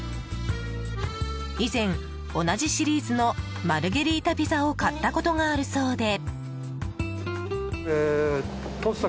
以前、同じシリーズのマルゲリータピザを買ったことがあるそうで。